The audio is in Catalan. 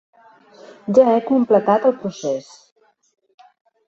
Ja he completat el procés.